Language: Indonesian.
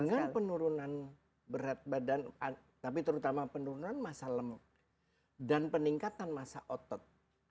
dengan penurunan berat badan tapi terutama penurunan masa lemak dan peningkatan masa otot